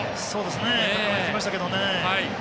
高めにきましたけどね。